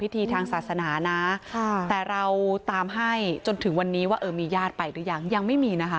ทางศาสนานะแต่เราตามให้จนถึงวันนี้ว่าเออมีญาติไปหรือยังยังไม่มีนะคะ